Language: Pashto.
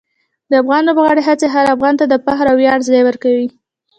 د افغان لوبغاړو هڅې هر افغان ته د فخر او ویاړ ځای ورکوي.